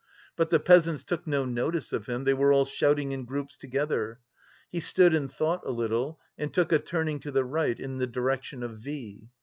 But the peasants took no notice of him; they were all shouting in groups together. He stood and thought a little and took a turning to the right in the direction of V.